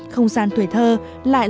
không gian tuổi thơ lại là một khu tập thiện